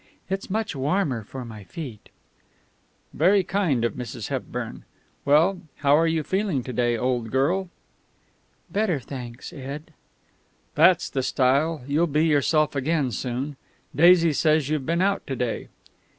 It's much warmer for my feet." "Very kind of Mrs. Hepburn. Well, how are you feeling to day, old girl?" "Better, thanks, Ed." "That's the style. You'll be yourself again soon. Daisy says you've been out to day?"